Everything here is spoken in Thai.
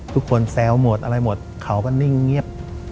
แซวหมดอะไรหมดเขาก็นิ่งเงียบ